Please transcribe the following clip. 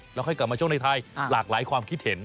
แล้วค่อยกลับมาช่วงในไทยหลากหลายความคิดเห็น